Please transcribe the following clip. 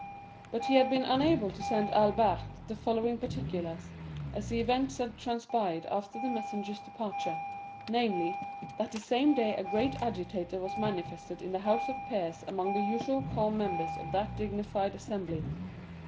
But he had been unable to send to Albert the following particulars, as the events had transpired after the messenger's departure; namely, that the same day a great agitation was manifest in the House of Peers among the usually calm members of that dignified assembly.